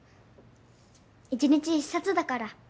一日１冊だから。